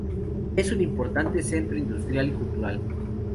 Es un importante centro industrial y cultural.